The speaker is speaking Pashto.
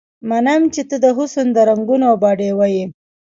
منم چې ته د حسن د رنګونو باډيوه يې